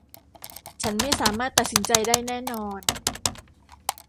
ฉันไม่สามารถตัดสินใจได้แน่นอน